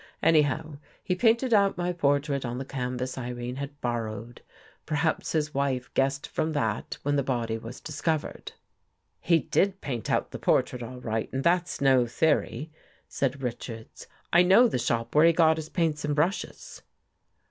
Anyhow, he painted out my portrait on the canvas Irene had ' borrowed.' Perhaps his wife guessed from that, when the body was discov ered." " He did paint out the portrait all right, that's no theory," said Richards. " I know the shop where he got his paints and brushes."